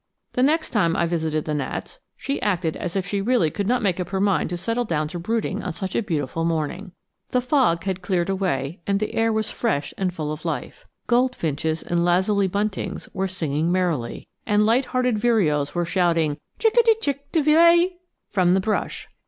The next time I visited the gnats, she acted as if she really could not make up her mind to settle down to brooding on such a beautiful morning. The fog had cleared away and the air was fresh and full of life; goldfinches and lazuli buntings were singing merrily, and light hearted vireos were shouting chick a de chick' de villet' from the brush.